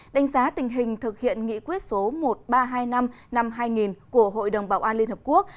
đánh giá tình hình thực hiện nghị quyết số một nghìn ba trăm hai mươi năm năm hai nghìn của hội đồng bảo an liên hợp quốc